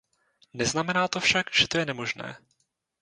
Neznamená to však, že to je nemožné.